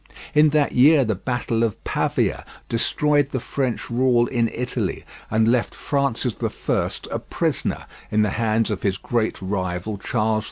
In that year the battle of Pavia destroyed the French rule in Italy, and left Francis I a prisoner in the hands of his great rival, Charles V.